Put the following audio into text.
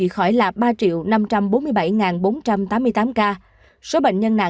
khánh hòa một ba trăm tám mươi